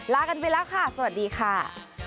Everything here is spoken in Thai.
ลากันไปแล้วค่ะสวัสดีค่ะ